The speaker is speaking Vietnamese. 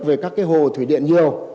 về các cái hồ thủy điện này sẽ không được tăng